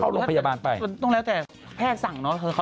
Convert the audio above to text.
โรงพยาบาลไปมันต้องแล้วแต่แพทย์สั่งเนอะ